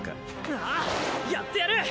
ああやってやる！